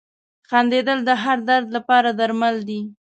• خندېدل د هر درد لپاره درمل دي.